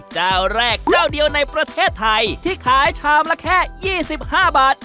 เจ้าแรกเจ้าเดียวในประเทศไทยที่ขายชามละแค่๒๕บาท